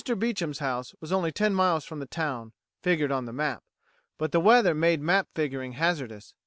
Beecham's house was only ten miles from the town, figured on the map; but the weather made map figuring hazardous.